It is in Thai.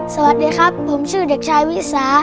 สวัสดีครับผมชื่อเด็กชายวิสา